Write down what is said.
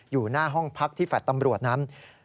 อยู่หน้าห้องพักที่แฟลต์ตำรวจนั้น